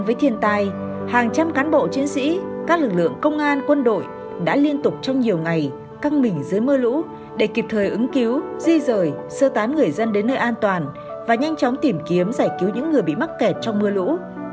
với thiên tai hàng trăm cán bộ chiến sĩ các lực lượng công an quân đội đã liên tục trong nhiều ngày căng mình dưới mưa lũ để kịp thời ứng cứu di rời sơ tán người dân đến nơi an toàn và nhanh chóng tìm kiếm giải cứu những người bị mắc kẹt trong mưa lũ